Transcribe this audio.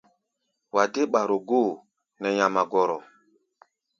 Wa dé ɓaro-góo nɛ nyamagɔrɔ.